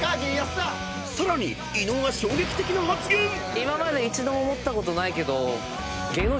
［さらに伊野尾が］今まで一度も思ったことないけど。